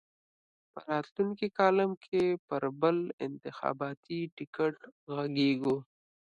په راتلونکي کالم کې پر بل انتخاباتي ټکټ غږېږو.